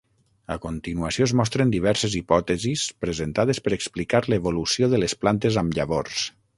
A continuació es mostren diverses hipòtesis presentades per explicar l'evolució de les plantes amb llavors.